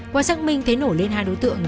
qua xác minh thấy nổ lên hai đối tượng